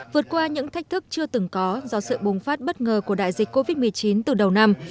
vượt qua những thách thức chưa từng có do sự bùng phát bất ngờ của đại dịch covid một mươi chín từ đầu năm